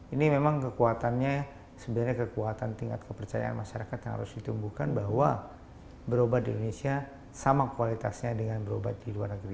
ini memang kekuatannya sebenarnya kekuatan tingkat kepercayaan masyarakat yang harus ditumbuhkan bahwa berobat di indonesia sama kualitasnya dengan berobat di luar negeri